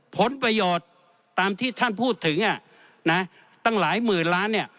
ผลประโยชน์ตามที่ท่านพูดถึงตั้งหลายหมื่นล้านเนี่ย